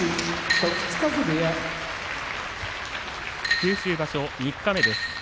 九州場所三日目です。